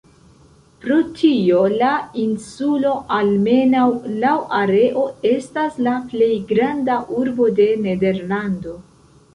Pro tio la insulo, almenaŭ laŭ areo, estas la "plej granda urbo de Nederlando".